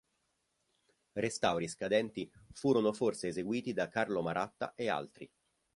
Restauri scadenti furono forse eseguiti da Carlo Maratta e altri.